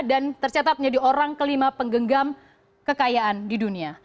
dan tercatat menjadi orang kelima penggenggam kekayaan di dunia